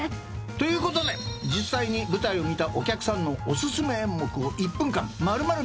ということで実際に舞台を見たお客さんのお薦め演目を１分間丸々見せちゃう。